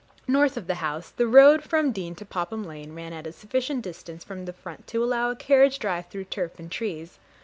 North of the house, the road from Deane to Popham Lane ran at a sufficient distance from the front to allow a carriage drive, through turf and trees.